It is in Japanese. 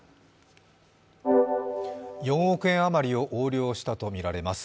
４億円余りを横領したとみられます。